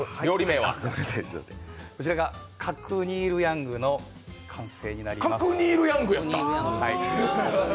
こちらが角煮ーる＝ヤングの完成になります。